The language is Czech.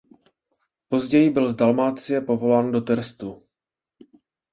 Později byl z Dalmácie povolán do Terstu.